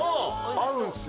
合うんですよ。